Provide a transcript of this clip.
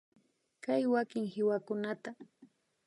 Kay wakin kiwakunaka